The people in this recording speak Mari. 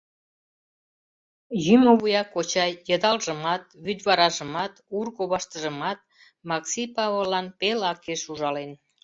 Йӱмӧ вуя кочай йыдалжымат, вӱдваражымат, ур коваштыжымат Максий Павыллан пел акеш ужален.